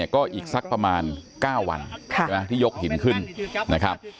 ก็อีกสักประมาณ๙วันที่ยกหินขึ้นนะครับ